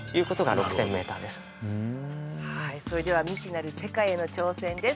それでは未知なる世界への挑戦です